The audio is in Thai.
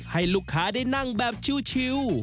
ให้ลูกค้าได้นั่งแบบชิว